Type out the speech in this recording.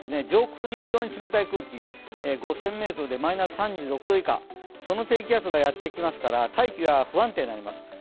上空に非常に冷たい空気５０００ｍでマイナス３６度以下その低気圧がやってきますから、大気が不安定になります。